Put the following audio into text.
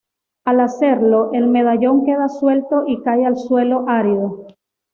Al hacerlo, el medallón queda suelto y cae al suelo árido.